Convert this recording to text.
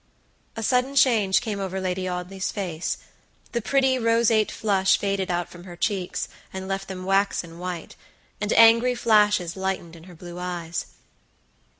A sudden change came over Lady Audley's face; the pretty, roseate flush faded out from her cheeks, and left them waxen white, and angry flashes lightened in her blue eyes.